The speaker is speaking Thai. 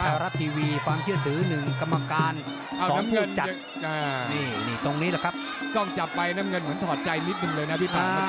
อาระทีวีฟังเที่ยวส์สือหนึ่งกรรมการสองผู้จัดนี่นี่ตรงนี้แหละครับ